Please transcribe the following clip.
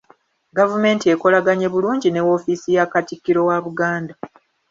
Gavumenti ekolaganye bulungi ne woofiisi ya Katikkiro wa Buganda.